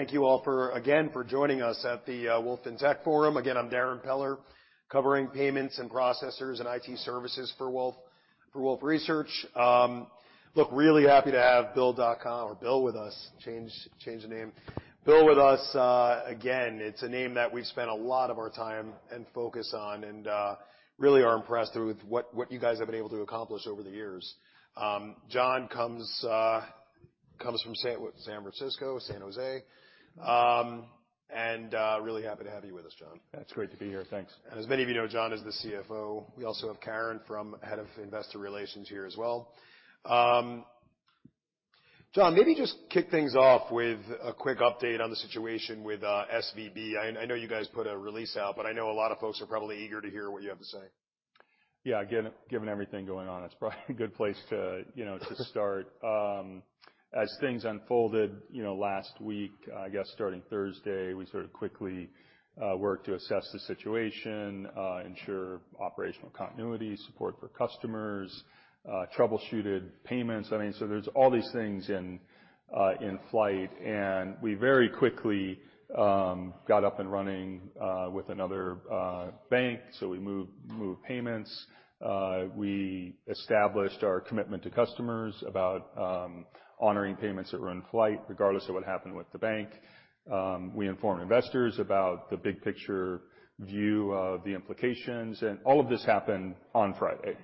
Thank you all for, again, for joining us at the Wolfe Research FinTech Forum. Again, I'm Darrin Peller, covering payments and processors in IT services for Wolfe Research. look, really happy to have BILL or BILL with us. Change the name. BILL with us, again, it's a name that we've spent a lot of our time and focus on, and really are impressed with what you guys have been able to accomplish over the years. John comes from San Francisco, San Jose. really happy to have you with us, John. It's great to be here. Thanks. As many of you know, John is the CFO. We also have Karen, Head of Investor Relations here as well. John, maybe just kick things off with a quick update on the situation with SVB. I know you guys put a release out, but I know a lot of folks are probably eager to hear what you have to say. Given everything going on, it's probably a good place, you know, to start. As things unfolded, you know, last week, I guess starting Thursday, we sort of quickly worked to assess the situation, ensure operational continuity, support for customers, troubleshooted payments. I mean, so there's all these things in flight. We very quickly got up and running with another bank, so we moved payments. We established our commitment to customers about honoring payments that were in flight regardless of what happened with the bank. We informed investors about the big picture view of the implications. All of this happened on Friday,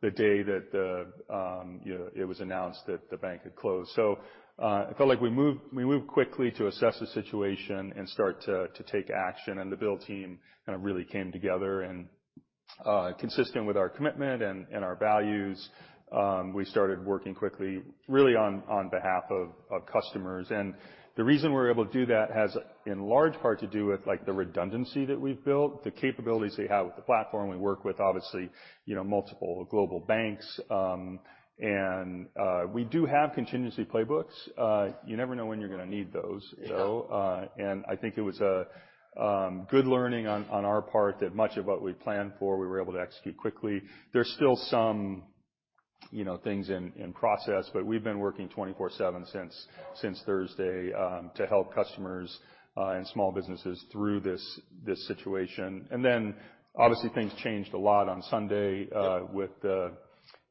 the day that the, you know, it was announced that the bank had closed. I felt like we moved quickly to assess the situation and start to take action. The BILL team kind of really came together and consistent with our commitment and our values, we started working quickly really on behalf of customers. The reason we're able to do that has in large part to do with, like, the redundancy that we've built, the capabilities we have with the platform. We work with obviously, you know, multiple global banks, and we do have contingency playbooks. You never know when you're gonna need those, so-. Yeah And I think it was a good learning on our part that much of what we planned for, we were able to execute quickly. There's still some, you know, things in process, but we've been working 24/7 since Thursday to help customers and small businesses through this situation. Then obviously, things changed a lot on Sunday with the,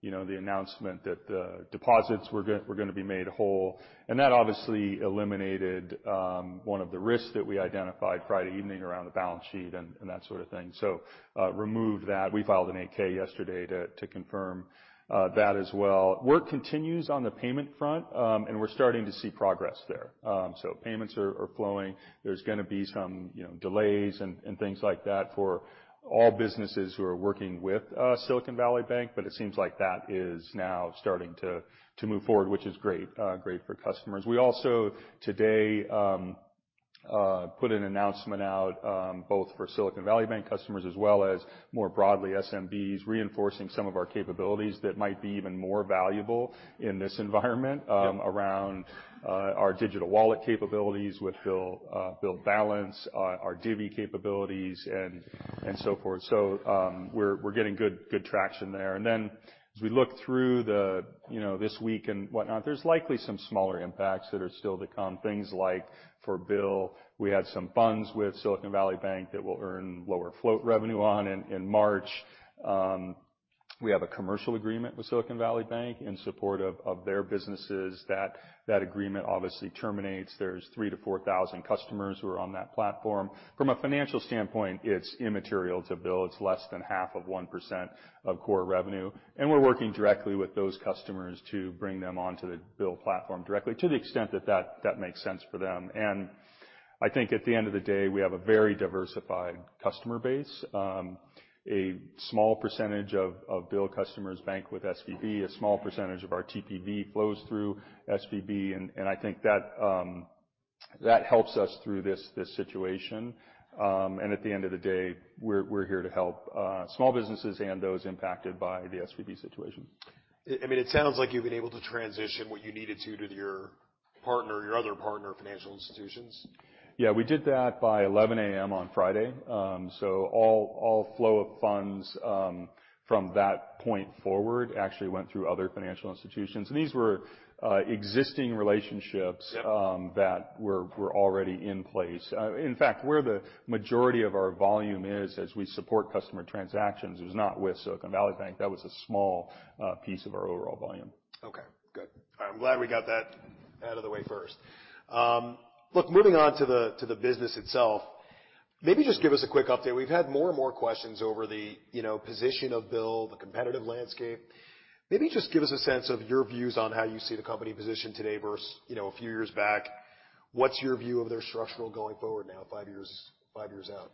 you know, the announcement that the deposits were gonna be made whole. That obviously eliminated one of the risks that we identified Friday evening around the balance sheet and that sort of thing. Removed that. We filed an 8-K yesterday to confirm that as well. Work continues on the payment front, and we're starting to see progress there. Payments are flowing. There's gonna be some, you know, delays and things like that for all businesses who are working with Silicon Valley Bank, but it seems like that is now starting to move forward, which is great for customers. We also today put an announcement out both for Silicon Valley Bank customers as well as more broadly SMBs reinforcing some of our capabilities that might be even more valuable in this environment. Yeah around our digital wallet capabilities with BILL Balance, our Divvy capabilities and so forth. We're getting good traction there. As we look through the, you know, this week and whatnot, there's likely some smaller impacts that are still to come. Things like for BILL, we had some funds with Silicon Valley Bank that will earn lower float revenue in March. We have a commercial agreement with Silicon Valley Bank in support of their businesses. That agreement obviously terminates. There's 3,000-4,000 customers who are on that platform. From a financial standpoint, it's immaterial to BILL. It's less than half of one percent of core revenue, and we're working directly with those customers to bring them onto the BILL platform directly to the extent that makes sense for them. I think at the end of the day, we have a very diversified customer base. A small percentage of BILL customers bank with SVB, a small percentage of our TPV flows through SVB, and I think that helps us through this situation. At the end of the day, we're here to help small businesses and those impacted by the SVB situation. I mean, it sounds like you've been able to transition what you needed to your partner, your other partner financial institutions. Yeah. We did that by 11:00 A.M. on Friday. All flow of funds, from that point forward actually went through other financial institutions, and these were existing relationships. Yeah... that were already in place. In fact, where the majority of our volume is as we support customer transactions is not with Silicon Valley Bank. That was a small piece of our overall volume. Okay. Good. I'm glad we got that out of the way first. Look, moving on to the business itself, maybe just give us a quick update. We've had more and more questions over the, you know, position of BILL, the competitive landscape. Maybe just give us a sense of your views on how you see the company position today versus, you know, a few years back. What's your view of their structural going forward now five years, five years out?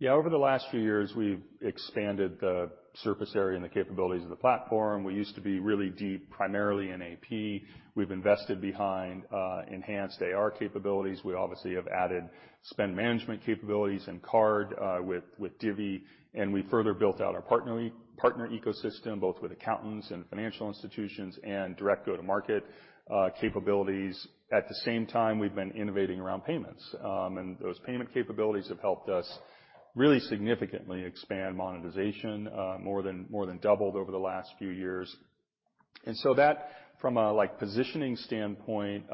Yeah. Over the last few years, we've expanded the surface area and the capabilities of the platform. We used to be really deep primarily in AP. We've invested behind enhanced AR capabilities. We obviously have added spend management capabilities and card with Divvy, and we further built out our partner ecosystem, both with accountants and financial institutions and direct go-to-market capabilities. At the same time, we've been innovating around payments. Those payment capabilities have helped us really significantly expand monetization, more than doubled over the last few years. That from a, like, positioning standpoint,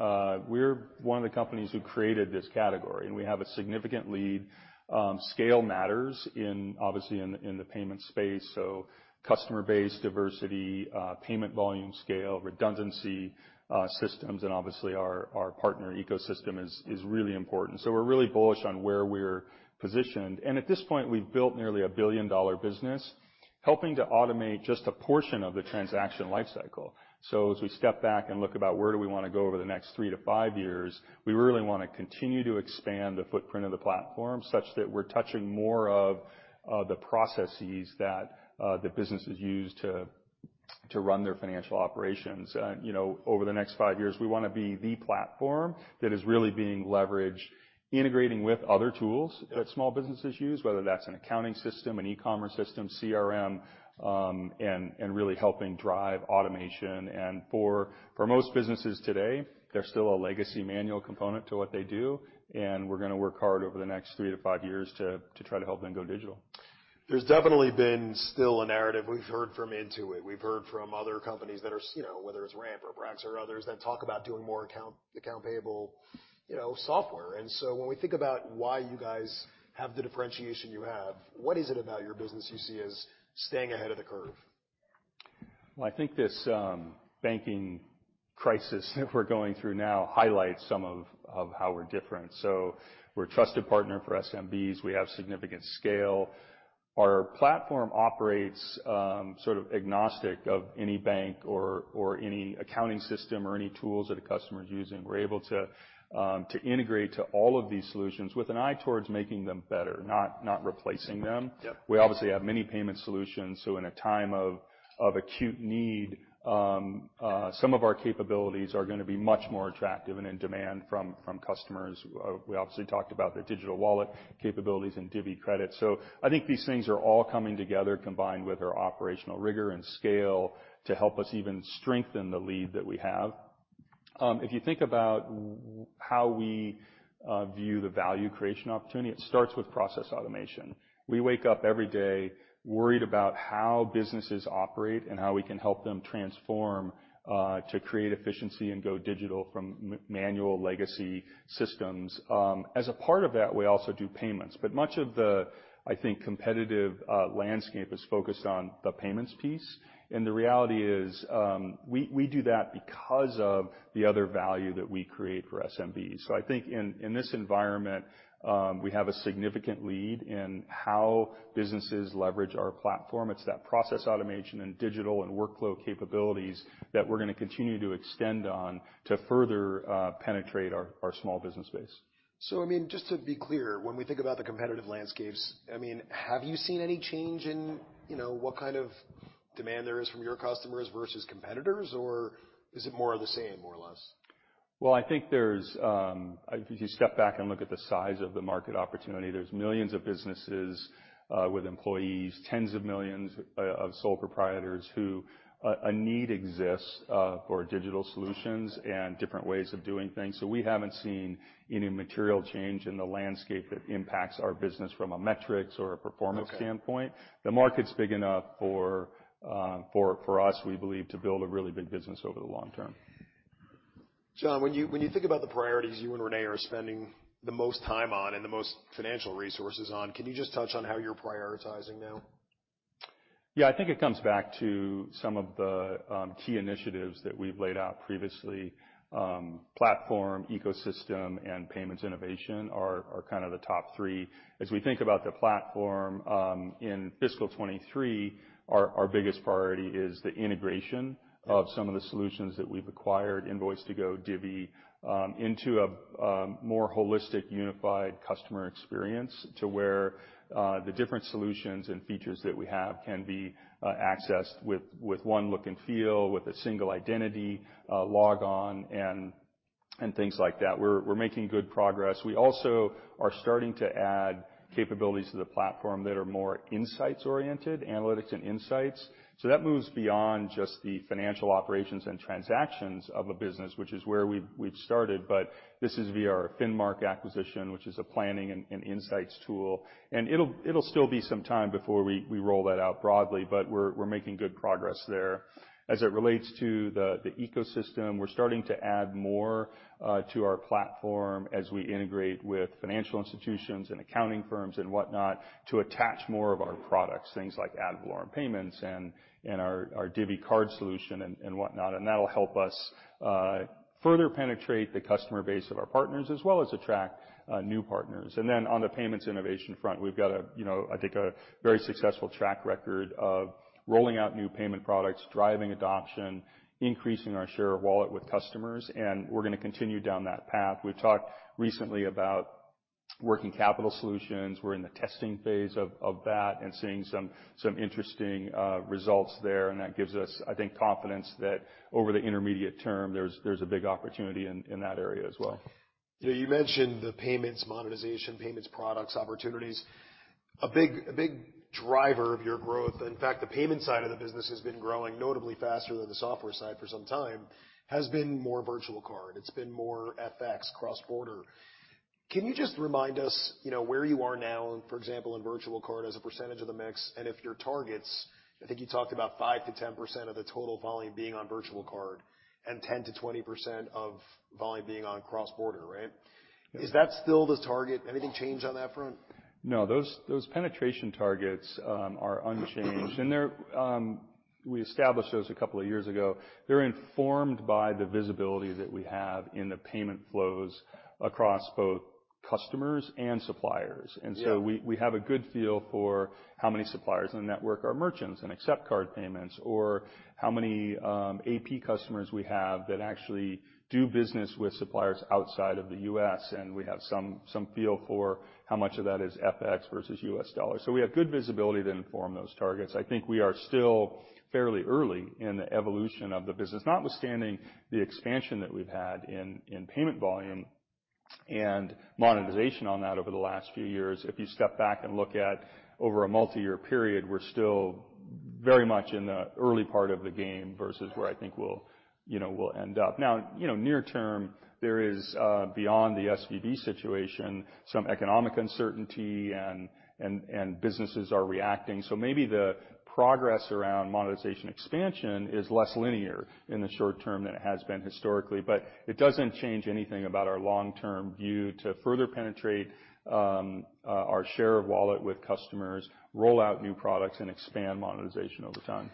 we're one of the companies who created this category, and we have a significant lead. Scale matters in, obviously, in the payment space. Customer base diversity, payment volume scale, redundancy, systems, and obviously our partner ecosystem is really important. We're really bullish on where we're positioned, and at this point, we've built nearly a billion-dollar business helping to automate just a portion of the transaction life cycle. As we step back and look about where do we wanna go over the next three to five years, we really wanna continue to expand the footprint of the platform such that we're touching more of the processes that the businesses use to run their financial operations. You know, over the next five years, we wanna be the platform that is really being leveraged, integrating with other tools that small businesses use, whether that's an accounting system, an e-commerce system, CRM, and really helping drive automation. For most businesses today, there's still a legacy manual component to what they do, and we're gonna work hard over the next 3-5 years to try to help them go digital. There's definitely been still a narrative. We've heard from Intuit, we've heard from other companies that are you know, whether it's Ramp or Brex or others, that talk about doing more account payable, you know, software. When we think about why you guys have the differentiation you have, what is it about your business you see as staying ahead of the curve? I think this banking crisis that we're going through now highlights some of how we're different. We're a trusted partner for SMBs. We have significant scale. Our platform operates sort of agnostic of any bank or any accounting system or any tools that a customer is using. We're able to integrate to all of these solutions with an eye towards making them better, not replacing them. Yep. We obviously have many payment solutions. In a time of acute need, some of our capabilities are gonna be much more attractive and in demand from customers. We obviously talked about the digital wallet capabilities and Divvy credit. I think these things are all coming together, combined with our operational rigor and scale, to help us even strengthen the lead that we have. If you think about how we view the value creation opportunity, it starts with process automation. We wake up every day worried about how businesses operate and how we can help them transform to create efficiency and go digital from manual legacy systems. As a part of that, we also do payments, much of the, I think, competitive landscape is focused on the payments piece. The reality is, we do that because of the other value that we create for SMBs. I think in this environment, we have a significant lead in how businesses leverage our platform. It's that process automation and digital and workflow capabilities that we're gonna continue to extend on to further penetrate our small business base. I mean, just to be clear, when we think about the competitive landscapes, I mean, have you seen any change in, you know, what kind of demand there is from your customers versus competitors, or is it more of the same, more or less? I think there's if you step back and look at the size of the market opportunity, there's millions of businesses with employees, tens of millions of sole proprietors who a need exists for digital solutions and different ways of doing things. We haven't seen any material change in the landscape that impacts our business from a metrics or a performance standpoint. Okay. The market's big enough for us, we believe, to build a really big business over the long term. John, when you think about the priorities you and René are spending the most time on and the most financial resources on, can you just touch on how you're prioritizing now? I think it comes back to some of the key initiatives that we've laid out previously. Platform, ecosystem, and payments innovation are kind of the top three. As we think about the platform, in fiscal 2023, our biggest priority is the integration of some of the solutions that we've acquired, Invoice2go, Divvy, into a more holistic, unified customer experience to where the different solutions and features that we have can be accessed with one look and feel, with a single identity, log on and things like that. We're making good progress. We also are starting to add capabilities to the platform that are more insights-oriented, analytics and insights. That moves beyond just the financial operations and transactions of a business, which is where we'd started, but this is via our Finmark acquisition, which is a planning and insights tool. It'll, it'll still be some time before we roll that out broadly, but we're making good progress there. As it relates to the ecosystem, we're starting to add more to our platform as we integrate with financial institutions and accounting firms and whatnot to attach more of our products, things like AP/AR and payments and our Divvy card solution and whatnot, and that'll help us further penetrate the customer base of our partners as well as attract new partners. On the payments innovation front, we've got a, you know, I think a very successful track record of rolling out new payment products, driving adoption, increasing our share of wallet with customers, and we're gonna continue down that path. We've talked recently about working capital solutions. We're in the testing phase of that and seeing some interesting results there, and that gives us, I think, confidence that over the intermediate term there's a big opportunity in that area as well. You mentioned the payments monetization, payments products opportunities. A big driver of your growth, in fact, the payment side of the business has been growing notably faster than the software side for some time, has been more virtual card. It's been more FX, cross-border. Can you just remind us, you know, where you are now, for example, in virtual card as a percentage of the mix and if your targets, I think you talked about 5%-10% of the total volume being on virtual card and 10%-20% of volume being on cross-border, right? Is that still the target? Anything changed on that front? No, those penetration targets are unchanged. We established those a couple of years ago. They're informed by the visibility that we have in the payment flows across both customers and suppliers. Yeah. We have a good feel for how many suppliers in the network are merchants and accept card payments, or how many AP customers we have that actually do business with suppliers outside of the U.S. We have some feel for how much of that is FX versus U.S. dollars. We have good visibility to inform those targets. I think we are still fairly early in the evolution of the business. Notwithstanding the expansion that we've had in payment volume and monetization on that over the last few years, if you step back and look at over a multiyear period, we're still very much in the early part of the game versus where I think we'll, you know, we'll end up. You know, near term, there is beyond the SVB situation, some economic uncertainty and businesses are reacting. Maybe the progress around monetization expansion is less linear in the short term than it has been historically, but it doesn't change anything about our long-term view to further penetrate our share of wallet with customers, roll out new products, and expand monetization over time.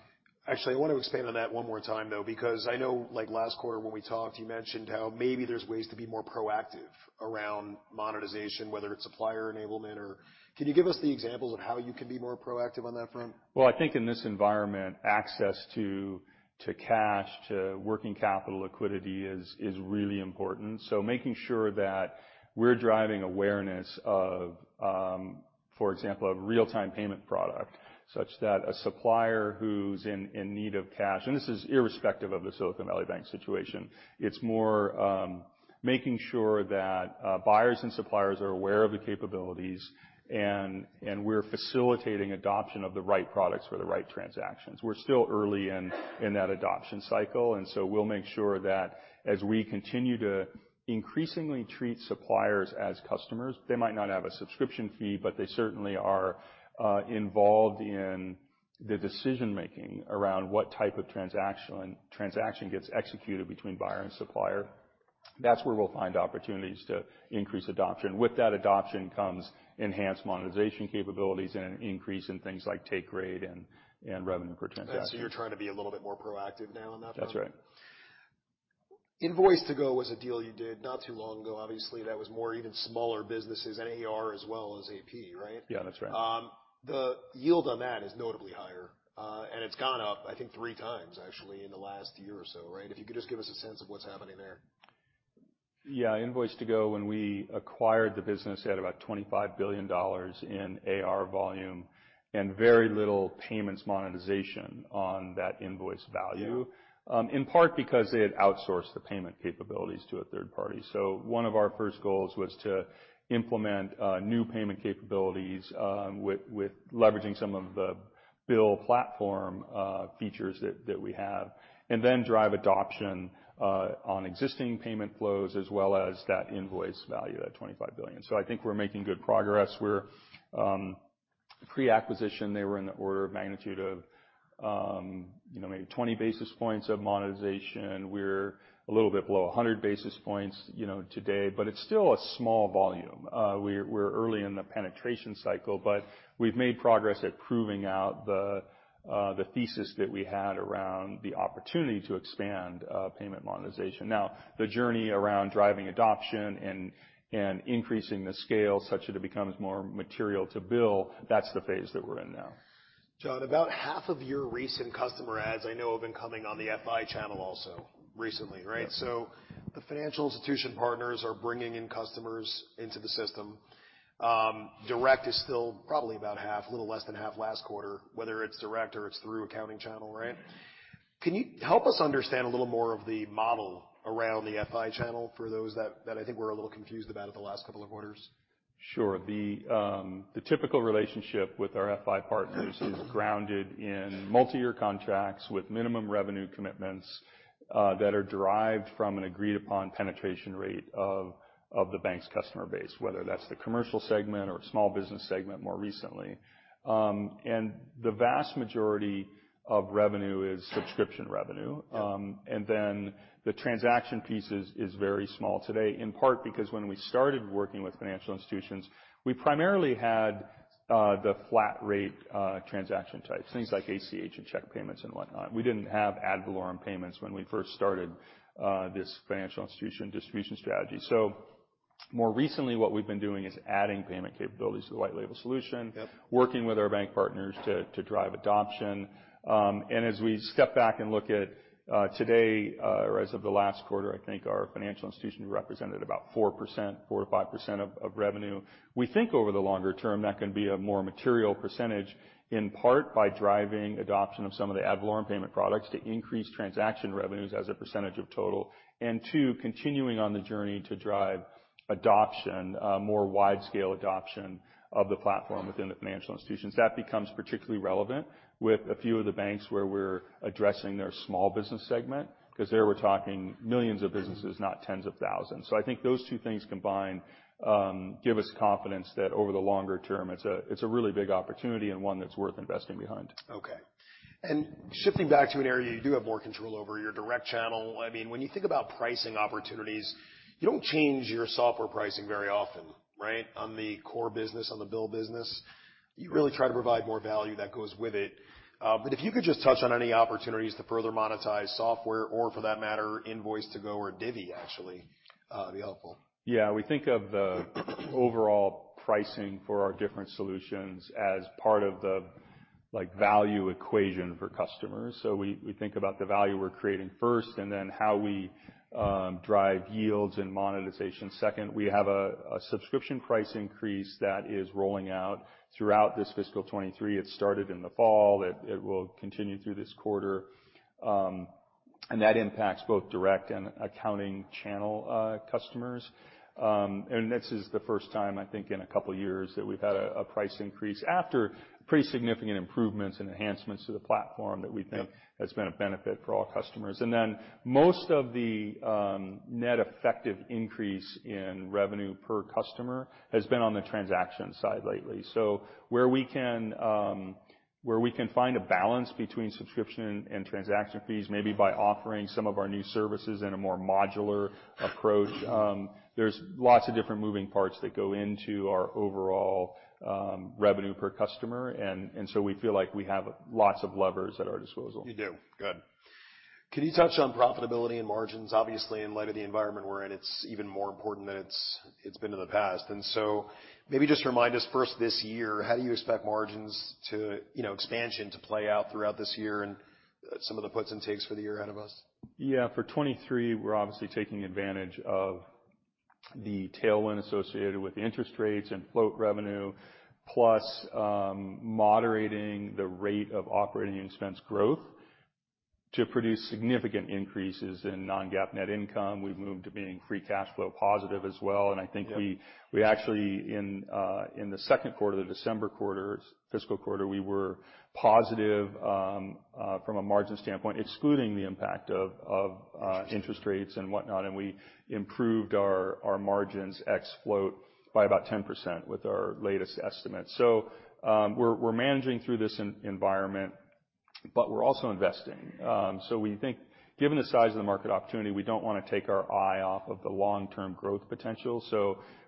Actually, I want to expand on that one more time, though, because I know, like last when we talked, you mentioned how maybe there's ways to be more proactive around monetization, whether it's supplier enablement or... Can you give us the examples of how you can be more proactive on that front? Well, I think in this environment, access to cash, to working capital liquidity is really important. Making sure that we're driving awareness of, for example, a real-time payment product, such that a supplier who's in need of cash, and this is irrespective of the Silicon Valley Bank situation, it's more making sure that buyers and suppliers are aware of the capabilities and we're facilitating adoption of the right products for the right transactions. We're still early in that adoption cycle, we'll make sure that as we continue to increasingly treat suppliers as customers, they might not have a subscription fee, but they certainly are involved in the decision-making around what type of transaction gets executed between buyer and supplier. That's where we'll find opportunities to increase adoption. With that adoption comes enhanced monetization capabilities and an increase in things like take rate and revenue per transaction. You're trying to be a little bit more proactive now on that front? That's right. Invoice2go was a deal you did not too long ago. Obviously, that was more even smaller businesses and AR as well as AP, right? Yeah, that's right. The yield on that is notably higher, and it's gone up, I think, 3 times actually in the last year or so, right? If you could just give us a sense of what's happening there. Yeah. Invoice2go, when we acquired the business, they had about $25 billion in AR volume and very little payments monetization on that invoice value. Yeah. In part because they had outsourced the payment capabilities to a third party. One of our first goals was to implement new payment capabilities, with leveraging some of the BILL platform features that we have, and then drive adoption on existing payment flows as well as that invoice value, that $25 billion. I think we're making good progress. We're Pre-acquisition, they were in the order of magnitude of, you know, maybe 20 basis points of monetization. We're a little bit below 100 basis points, you know, today, but it's still a small volume. We're early in the penetration cycle, but we've made progress at proving out the thesis that we had around the opportunity to expand payment monetization. The journey around driving adoption and increasing the scale such that it becomes more material to BILL, that's the phase that we're in now. John, about half of your recent customer adds I know have been coming on the FI channel also recently, right? Yeah. The financial institution partners are bringing in customers into the system. Direct is still probably about half, a little less than half last quarter, whether it's direct or it's through accounting channel, right? Can you help us understand a little more of the model around the FI channel for those that I think we're a little confused about it the last couple of quarters? Sure. The typical relationship with our FI partners is grounded in multi-year contracts with minimum revenue commitments, that are derived from an agreed upon penetration rate of the bank's customer base, whether that's the commercial segment or small business segment more recently. The vast majority of revenue is subscription revenue. The transaction piece is very small today, in part because when we started working with financial institutions, we primarily had the flat rate, transaction types, things like ACH and check payments and whatnot. We didn't have ad valorem payments when we first started this financial institution distribution strategy. More recently, what we've been doing is adding payment capabilities to the white-label solution. Yep. -working with our bank partners to drive adoption. As we step back and look at today, or as of the last quarter, I think our financial institution represented about 4%, 4%-5% of revenue. We think over the longer term, that can be a more material percentage, in part by driving adoption of some of the ad valorem payment products to increase transaction revenues as a percentage of total, and two, continuing on the journey to drive adoption, more widescale adoption of the platform within the financial institutions. That becomes particularly relevant with a few of the banks where we're addressing their small business segment, 'cause there we're talking millions of businesses, not tens of thousands. I think those two things combined, give us confidence that over the longer term, it's a, it's a really big opportunity and one that's worth investing behind. Okay. Shifting back to an area you do have more control over, your direct channel. I mean, when you think about pricing opportunities, you don't change your software pricing very often, right? On the core business, on the BILL business, you really try to provide more value that goes with it. If you could just touch on any opportunities to further monetize software or for that matter, Invoice2go or Divvy actually, be helpful. We think of the overall pricing for our different solutions as part of the, like, value equation for customers. We think about the value we're creating first, and then how we drive yields and monetization second. We have a subscription price increase that is rolling out throughout this fiscal 2023. It started in the fall. It will continue through this quarter, and that impacts both direct and accounting channel customers. This is the first time, I think, in a couple of years that we've had a price increase after pretty significant improvements and enhancements to the platform that we think has been a benefit for all customers. Most of the net effective increase in revenue per customer has been on the transaction side lately. Where we can, where we can find a balance between subscription and transaction fees, maybe by offering some of our new services in a more modular approach, there's lots of different moving parts that go into our overall revenue per customer. We feel like we have lots of levers at our disposal. You do. Good. Can you touch on profitability and margins? Obviously, in light of the environment we're in, it's even more important than it's been in the past. Maybe just remind us first this year, how do you expect margins to, you know, expansion to play out throughout this year and some of the puts and takes for the year ahead of us? Yeah. For 2023, we're obviously taking advantage of the tailwind associated with interest rates and float revenue, plus moderating the rate of operating expense growth to produce significant increases in non-GAAP net income. We've moved to being free cash flow positive as well. I think we actually in the Q2, the December quarter, fiscal quarter, we were positive from a margin standpoint, excluding the impact of interest rates and whatnot. We improved our margins ex float by about 10% with our latest estimate. We're managing through this environment, but we're also investing. We think given the size of the market opportunity, we don't wanna take our eye off of the long-term growth potential.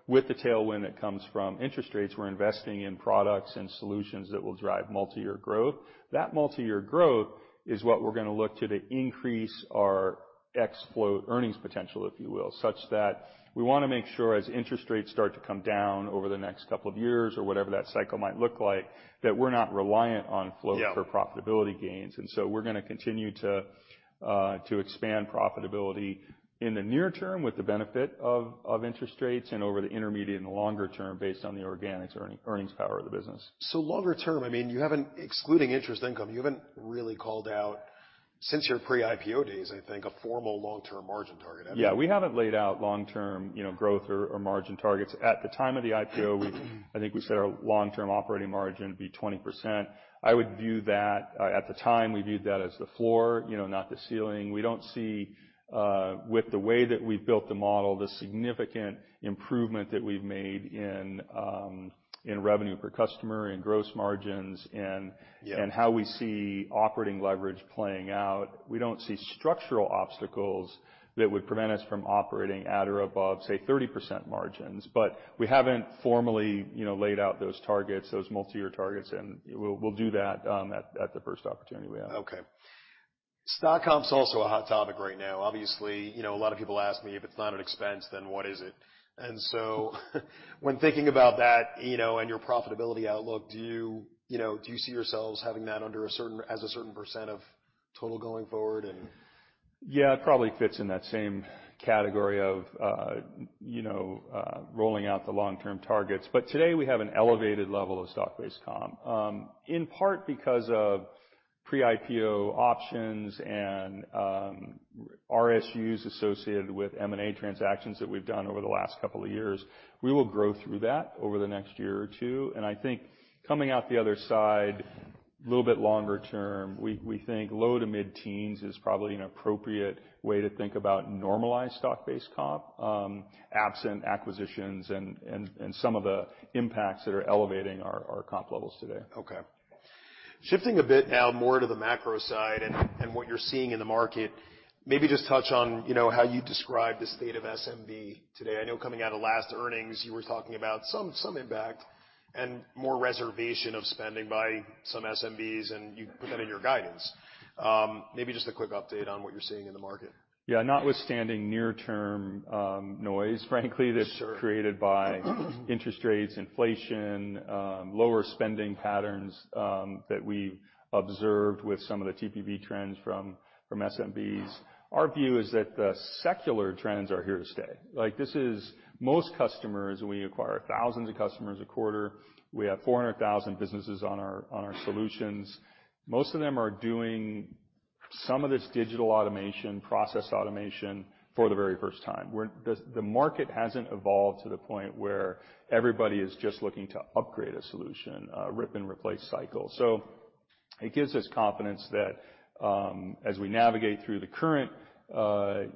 With the tailwind that comes from interest rates, we're investing in products and solutions that will drive multi-year growth. That multi-year growth is what we're gonna look to increase our ex float earnings potential, if you will, such that we wanna make sure as interest rates start to come down over the next couple of years or whatever that cycle might look like, that we're not reliant on float for profitability gains. We're gonna continue to expand profitability in the near term with the benefit of interest rates and over the intermediate and longer term based on the organic earnings power of the business. longer term, I mean, excluding interest income, you haven't really called out since your pre-IPO days, I think, a formal long-term margin target, have you? Yeah, we haven't laid out long-term, you know, growth or margin targets. At the time of the IPO, I think we said our long-term operating margin would be 20%. I would view that, at the time, we viewed that as the floor, you know, not the ceiling. We don't see, with the way that we've built the model, the significant improvement that we've made in revenue per customer, in gross margins. Yeah. How we see operating leverage playing out. We don't see structural obstacles that would prevent us from operating at or above, say, 30% margins. We haven't formally, you know, laid out those targets, those multi-year targets, and we'll do that at the first opportunity we have. Okay. Stock comp's also a hot topic right now. Obviously, you know, a lot of people ask me, "If it's not an expense, then what is it?" When thinking about that, you know, and your profitability outlook, do you know, do you see yourselves having that as a certain % of total going forward...? Yeah, it probably fits in that same category of, you know, rolling out the long-term targets. Today, we have an elevated level of stock-based compensation, in part because of pre-IPO options and RSUs associated with M&A transactions that we've done over the last couple of years. We will grow through that over the next year or two. I think coming out the other side, a little bit longer term, we think low to mid-teens is probably an appropriate way to think about normalized stock-based compensation, absent acquisitions and some of the impacts that are elevating our comp levels today. Shifting a bit now more to the macro side and what you're seeing in the market, maybe just touch on, you know, how you describe the state of SMB today. I know coming out of last earnings, you were talking about some impact and more reservation of spending by some SMBs, and you put that in your guidance. Maybe just a quick update on what you're seeing in the market. Yeah. Notwithstanding near-term, noise, frankly. Sure. that's created by interest rates, inflation, lower spending patterns, that we observed with some of the TPV trends from SMBs, our view is that the secular trends are here to stay. Like, this is most customers, we acquire thousands of customers a quarter. We have 400,000 businesses on our solutions. Most of them are doing some of this digital automation, process automation for the very first time. The market hasn't evolved to the point where everybody is just looking to upgrade a solution, rip and replace cycle. It gives us confidence that, as we navigate through the current,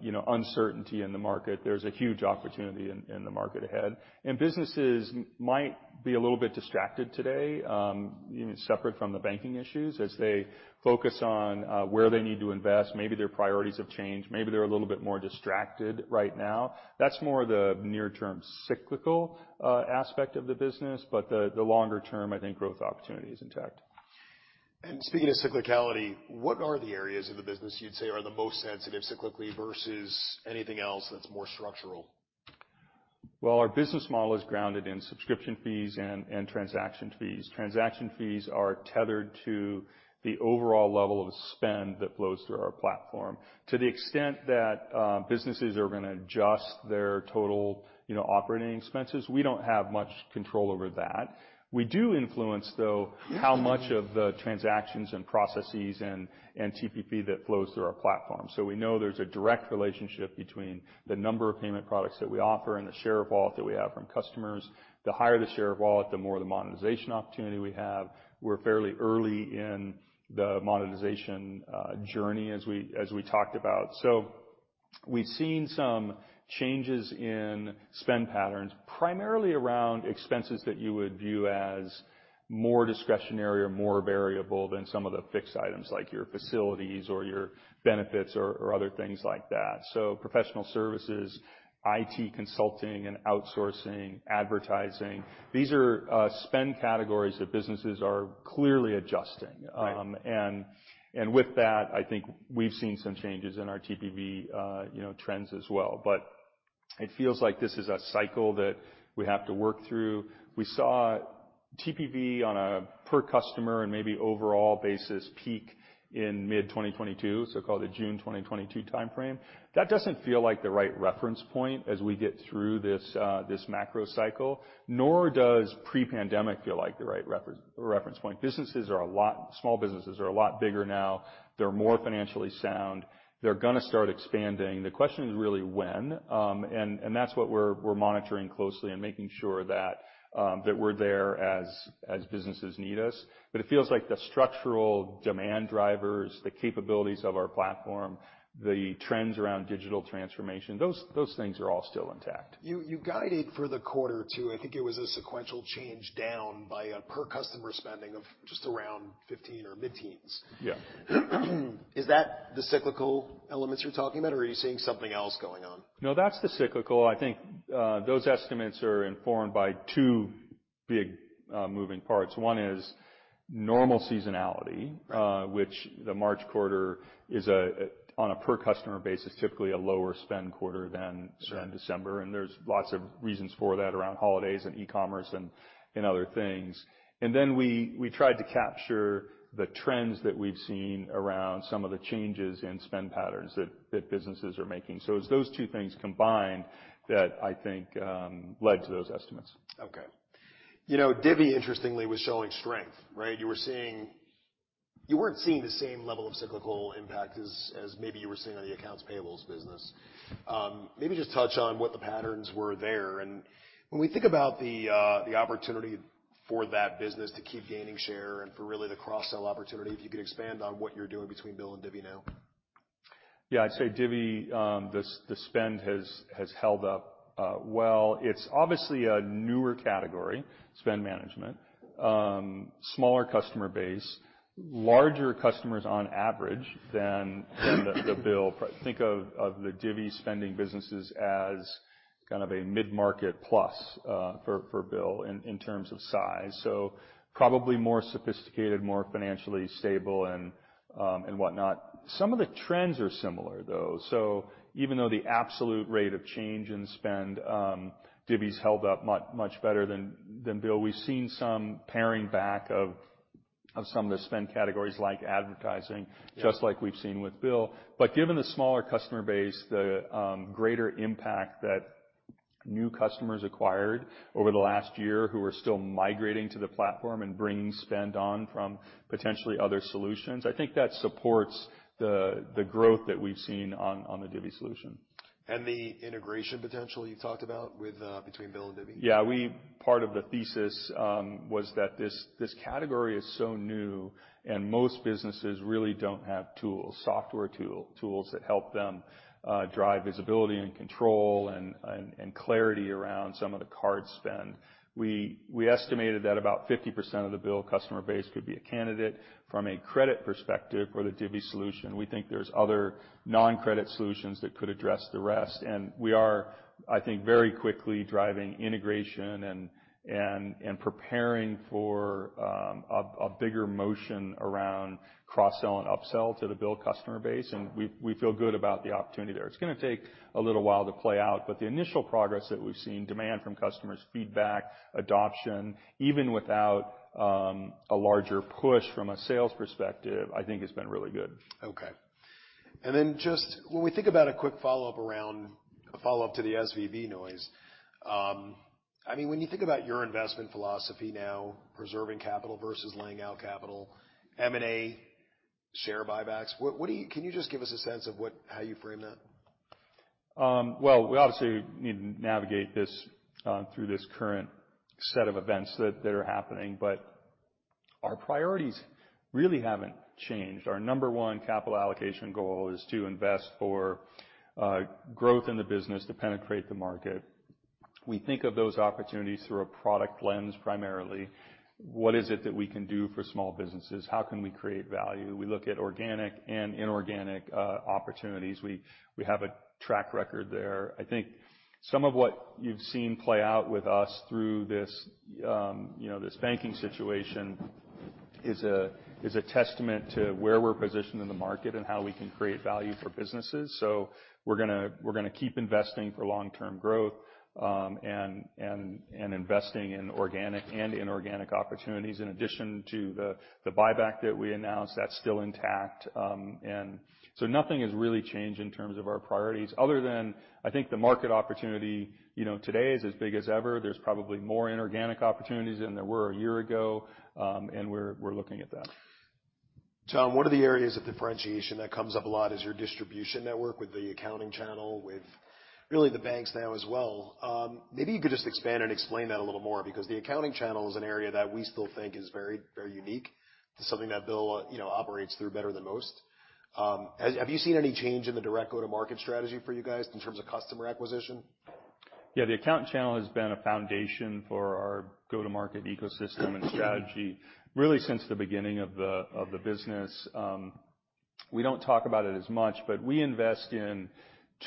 you know, uncertainty in the market, there's a huge opportunity in the market ahead. Businesses might be a little bit distracted today, even separate from the banking issues, as they focus on where they need to invest. Maybe their priorities have changed. Maybe they're a little bit more distracted right now. That's more the near-term cyclical aspect of the business. The longer term, I think growth opportunity is intact. Speaking of cyclicality, what are the areas of the business you'd say are the most sensitive cyclically versus anything else that's more structural? Our business model is grounded in subscription fees and transaction fees. Transaction fees are tethered to the overall level of spend that flows through our platform. To the extent that businesses are gonna adjust their total, you know, operating expenses, we don't have much control over that. We do influence, though, how much of the transactions and processes and TPV that flows through our platform. We know there's a direct relationship between the number of payment products that we offer and the share of wallet that we have from customers. The higher the share of wallet, the more the monetization opportunity we have. We're fairly early in the monetization journey as we talked about. We've seen some changes in spend patterns, primarily around expenses that you would view as more discretionary or more variable than some of the fixed items, like your facilities or your benefits or other things like that. Professional services, IT consulting and outsourcing, advertising, these are spend categories that businesses are clearly adjusting. And with that, I think we've seen some changes in our TPV, you know, trends as well. It feels like this is a cycle that we have to work through. We saw TPV on a per customer and maybe overall basis peak in mid-2022, so call it the June 2022 timeframe. That doesn't feel like the right reference point as we get through this macro cycle, nor does pre-pandemic feel like the right reference point. Small businesses are a lot bigger now. They're more financially sound. They're gonna start expanding. The question is really when, and that's what we're monitoring closely and making sure that we're there as businesses need us. It feels like the structural demand drivers, the capabilities of our platform, the trends around digital transformation, those things are all still intact. You guided for the Q2. I think it was a sequential change down by a per customer spending of just around 15 or mid-teens. Yeah. Is that the cyclical elements you're talking about, or are you seeing something else going on? No, that's the cyclical. I think, those estimates are informed by two big, moving parts. One is normal seasonality, which the March quarter is a, on a per customer basis, typically a lower spend quarter than, say, December. There's lots of reasons for that around holidays and e-commerce and other things. Then we tried to capture the trends that we've seen around some of the changes in spend patterns that businesses are making. It's those two things combined that I think, led to those estimates. Okay. You know, Divvy, interestingly, was showing strength, right? You weren't seeing the same level of cyclical impact as maybe you were seeing on the accounts payables business. Maybe just touch on what the patterns were there, and when we think about the opportunity for that business to keep gaining share and for really the cross-sell opportunity, if you could expand on what you're doing between BILL and Divvy now. Yeah. I'd say Divvy, the spend has held up well. It's obviously a newer category, spend management. Smaller customer base. Larger customers on average than the BILL. Think of the Divvy spending businesses as kind of a mid-market plus for BILL in terms of size. Probably more sophisticated, more financially stable and whatnot. Some of the trends are similar, though. Even though the absolute rate of change in spend, Divvy's held up much better than BILL, we've seen some paring back of some of the spend categories like advertising, just like we've seen with BILL. Given the smaller customer base, the greater impact that new customers acquired over the last year who are still migrating to the platform and bringing spend on from potentially other solutions, I think that supports the growth that we've seen on the Divvy solution. The integration potential you talked about with between BILL and Divvy? Yeah, Part of the thesis, was that this category is so new, and most businesses really don't have software tools that help them drive visibility and control and clarity around some of the card spend. We estimated that about 50% of the BILL customer base could be a candidate from a credit perspective for the Divvy solution. We think there's other non-credit solutions that could address the rest. We are, I think, very quickly driving integration and preparing for a bigger motion around cross-sell and upsell to the BILL customer base, and we feel good about the opportunity there. It's gonna take a little while to play out, but the initial progress that we've seen, demand from customers, feedback, adoption, even without a larger push from a sales perspective, I think has been really good. Okay. Just when we think about a quick follow-up around, a follow-up to the SVB noise, I mean, when you think about your investment philosophy now, preserving capital versus laying out capital, M&A, share buybacks, can you just give us a sense of what, how you frame that? Well, we obviously need to navigate this through this current set of events that are happening. Our priorities really haven't changed. Our number one capital allocation goal is to invest for growth in the business to penetrate the market. We think of those opportunities through a product lens, primarily. What is it that we can do for small businesses? How can we create value? We look at organic and inorganic opportunities. We have a track record there. I think some of what you've seen play out with us through this, you know, this banking situation is a testament to where we're positioned in the market and how we can create value for businesses. We're gonna keep investing for long-term growth, and investing in organic and inorganic opportunities in addition to the buyback that we announced. That's still intact. Nothing has really changed in terms of our priorities other than I think the market opportunity, you know, today, is as big as ever. There's probably more inorganic opportunities than there were a year ago, and we're looking at that. John, one of the areas of differentiation that comes up a lot is your distribution network with the accounting channel, with really the banks now as well. Maybe you could just expand and explain that a little more because the accounting channel is an area that we still think is very, very unique to something that BILL, you know, operates through better than most. Have you seen any change in the direct go-to-market strategy for you guys in terms of customer acquisition? Yeah, the accounting channel has been a foundation for our go-to-market ecosystem and strategy really since the beginning of the business. We don't talk about it as much, but we invest in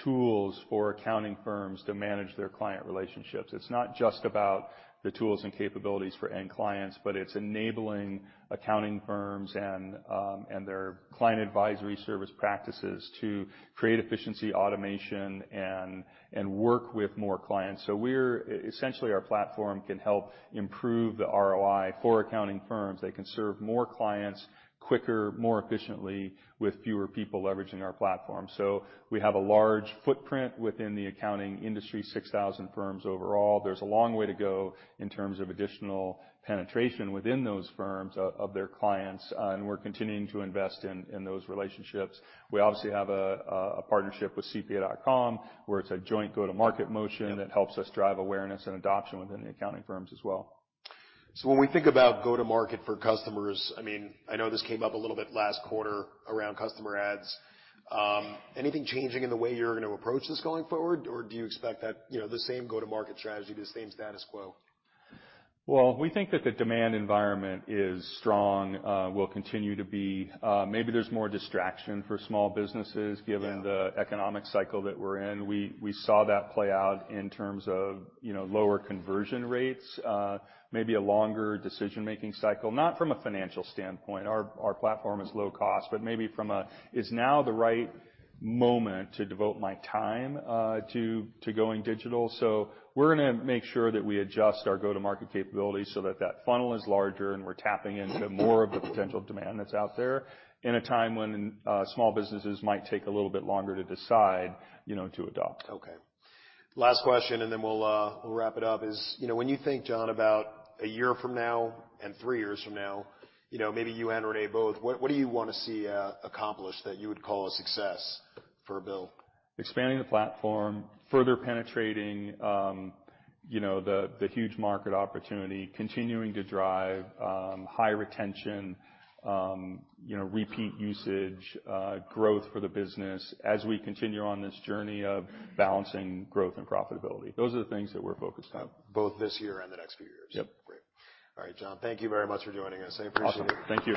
tools for accounting firms to manage their client relationships. It's not just about the tools and capabilities for end clients, but it's enabling accounting firms and their client advisory service practices to create efficiency, automation and work with more clients. Essentially, our platform can help improve the ROI for accounting firms. They can serve more clients quicker, more efficiently with fewer people leveraging our platform. We have a large footprint within the accounting industry, 6,000 firms overall. There's a long way to go in terms of additional penetration within those firms of their clients, and we're continuing to invest in those relationships. We obviously have a partnership with CPA.com, where it's a joint go-to-market motion that helps us drive awareness and adoption within the accounting firms as well. When we think about go to market for customers, I mean, I know this came up a little bit last quarter around customer ads, anything changing in the way you're gonna approach this going forward, or do you expect that, you know, the same go-to-market strategy, the same status quo? Well, we think that the demand environment is strong, will continue to be. Maybe there's more distraction for small businesses given the economic cycle that we're in. We saw that play out in terms of, you know, lower conversion rates, maybe a longer decision-making cycle, not from a financial standpoint. Our platform is low cost, but maybe from a, "Is now the right moment to devote my time, to going digital?" We're gonna make sure that we adjust our go-to-market capabilities so that that funnel is larger and we're tapping into more of the potential demand that's out there in a time when, small businesses might take a little bit longer to decide, you know, to adopt. Okay. Last question and then we'll wrap it up, is, you know, when you think, John, about one year from now and three years from now, you know, maybe you and René both, what do you wanna see accomplished that you would call a success for BILL? Expanding the platform, further penetrating, you know, the huge market opportunity, continuing to drive, high retention, you know, repeat usage, growth for the business as we continue on this journey of balancing growth and profitability. Those are the things that we're focused on. Both this year and the next few years. Yep. Great. All right, John, thank you very much for joining us. I appreciate it. Awesome. Thank you.